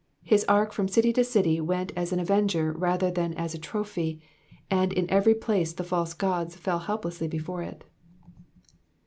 His ark from city to aty went as an avenger rather than as a trophy, and in every place the false gods fell helplessly before it.